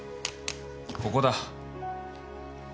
ここだ。